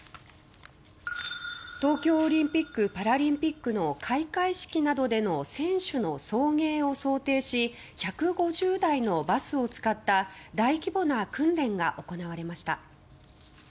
東京オリンピック・パラリンピックの開会式などでの選手の送迎を想定し１５０台のバスを使った大規模な訓練が行われました。